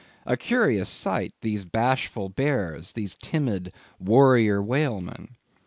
A curious sight; these bashful bears, these timid warrior whalemen!